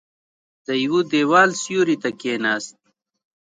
د يوه دېوال سيوري ته کېناست.